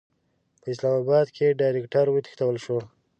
په اسلاماباد کې د ډایرکټر وتښتول شو.